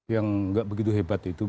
yang nggak begitu hebat itu